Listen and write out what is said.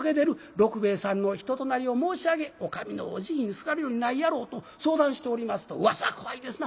六兵衛さんの人となりを申し上げお上のお慈悲にすがるよりないやろう」と相談しておりますとうわさは怖いですな。